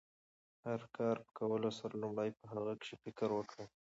د هر کار په کولو سره، لومړی په هغه کار کښي فکر وکړئ!